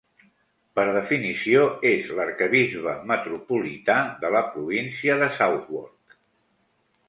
Per definició és l'arquebisbe metropolità de la província de Southwark.